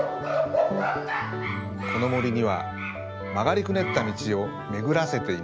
この森にはまがりくねったみちをめぐらせています。